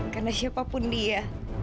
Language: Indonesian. karena siapapun dia